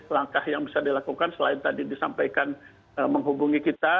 langkah yang bisa dilakukan selain tadi disampaikan menghubungi kita